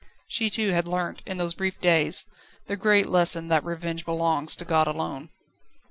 She too had learnt in those brief days the great lesson that revenge belongs to God alone.